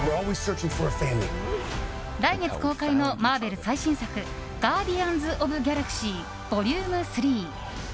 来月公開のマーベル最新作「ガーディアンズ・オブ・ギャラクシー：ＶＯＬＵＭＥ３」。